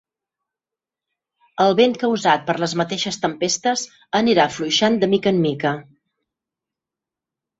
El vent causat per les mateixes tempestes anirà afluixant de mica en mica.